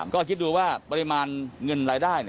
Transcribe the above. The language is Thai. ก็คิดดูว่าปริมาณเงินรายได้